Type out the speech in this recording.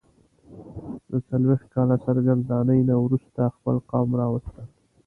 د څلوېښت کاله سرګرانۍ نه وروسته خپل قوم راوستل.